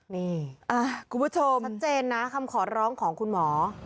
นี่อ่ะคุณผู้ชม